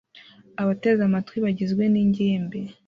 Abateze amatwi bagizwe n'ingimbi